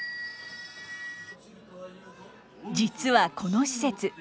実はこの施設